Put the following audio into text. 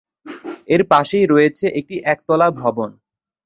এর পাশেই রয়েছে একটি একতলা ভবন।